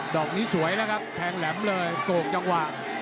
อกนี้สวยแล้วครับแทงแหลมเลยโก่งจังหวะ